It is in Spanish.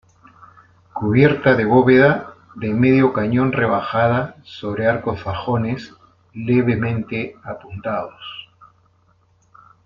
Cubierta de bóveda de medio cañón rebajada sobre arcos fajones levemente apuntados.